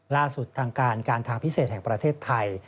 ล่าสุดทางการการทางพิเศษแห่งประเทศไทย